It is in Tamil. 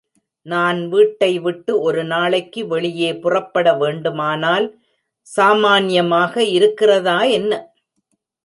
நான் வீட்டை விட்டு ஒரு நாளைக்கு வெளியே புறப்பட வேண்டுமானால் சாமான்யமாக இருக்கிறதா, என்ன?